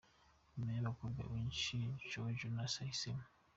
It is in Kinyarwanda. Nyuma y'abakobwa benshi, Joe Jonas ahisemo.